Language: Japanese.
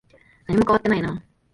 何も変わっていないな。